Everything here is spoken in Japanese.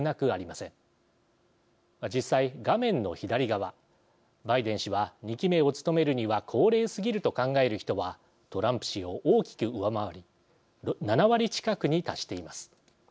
実際画面の左側バイデン氏は２期目を務めるには高齢すぎると考える人はトランプ氏を大きく上回り７割近くに達しています。